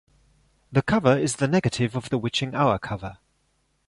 The cover is the negative of the "Witching Hour" cover.